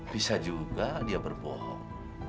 bisa juga dia berbohong